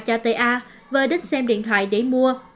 cho t a vừa đến xem điện thoại để mua